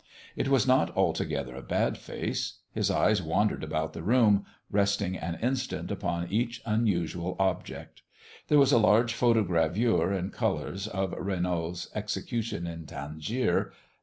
It was not altogether a bad face. His eyes wandered about the room, resting an instant upon each unusual object. There was a large photogravure in colors of Renault's "Execution in Tangier."